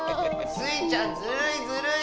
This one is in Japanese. スイちゃんずるいずるい！